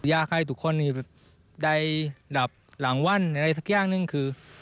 อยากให้ทุกคนได้ดับหลังวันอะไรสักอย่างหนึ่งคือ